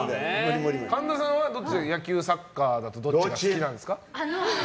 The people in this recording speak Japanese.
神田さんは野球、サッカーだとどっちがいいんですか？